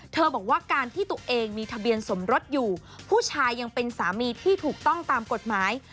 บอกว่าการที่ตัวเองมีทะเบียนสมรสอยู่ผู้ชายยังเป็นสามีที่ถูกต้องตามกฎหมาย